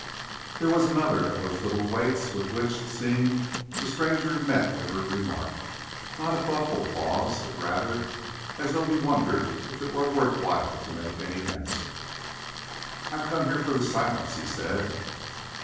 There was another of those little waits with which, it seemed, the stranger met every remark; not a thoughtful pause, but rather as though he wondered if it were worth while to make any answer. "I've come here for the silence," he said.